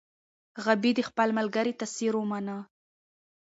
غابي د خپل ملګري تاثیر ومنه.